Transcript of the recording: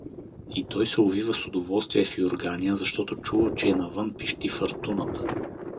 И той се увива с удоволствие в юрганя, защото чува, че навън пищи фъртуната.